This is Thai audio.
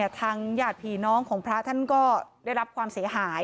ทางญาติผีน้องของพระท่านก็ได้รับความเสียหาย